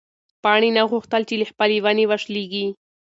پاڼې نه غوښتل چې له خپلې ونې وشلېږي.